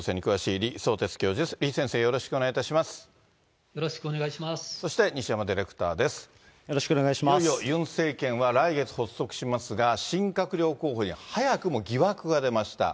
いよいよユン政権は来月発足しますが、新閣僚候補に早くも疑惑が出ました。